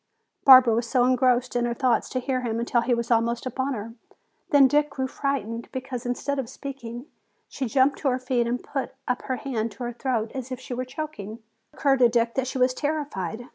Barbara was too engrossed in her thoughts to hear him until he was almost upon her. Then Dick grew frightened, because instead of speaking she jumped to her feet and put up her hand to her throat as if she were choking. It did not occur to Dick that she was terrified.